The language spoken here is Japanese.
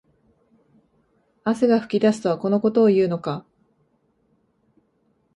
汗が噴き出すとはこのことを言うのか